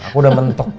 aku udah mentok